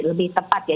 lebih tepat ya